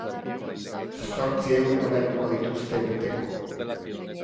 Zortzi euro ordainduko dituzte urteko.